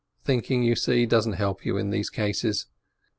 Thinking, you see, doesn't help you in these cases.